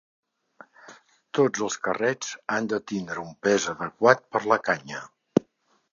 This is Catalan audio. Tots els carrets han de tindre un pes adequat per la canya.